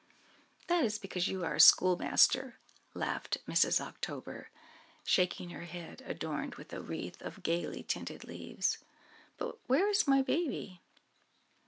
"That is because you are a schoolmaster," laughed Mrs. October, shaking her head, adorned with a wreath of gayly tinted leaves; "but where is my baby?"